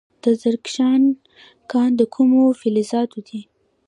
د زرکشان کان د کومو فلزاتو دی؟